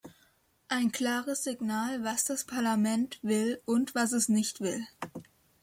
Ein klares Signal, was das Parlament will und was es nicht will.